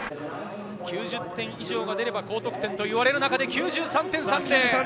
９０点以上が出れば高得点といわれる中で９３．３０。